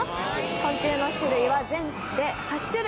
昆虫の種類は全部で８種類。